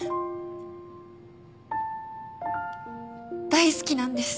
大好きなんです。